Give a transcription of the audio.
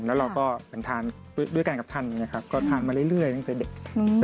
แล้วเราก็ทานด้วยกันกับท่านอย่างนี้ครับก็ทานมาเรื่อยตั้งแต่เด็ก